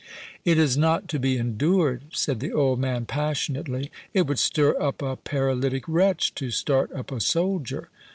"It is not to be endured!" said the old man, passionately; "it would stir up a paralytic wretch to start up a soldier.